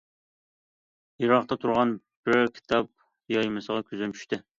يىراقتا تۇرغان بىر كىتاب يايمىسىغا كۆزۈم چۈشتى.